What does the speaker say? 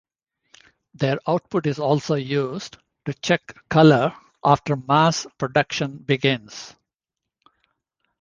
Their output is also used to check color after mass production begins.